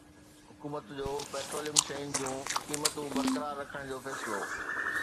حڪومت جو پيٽروليم شين جون قيمتون برقرار رکڻ جو فيصلو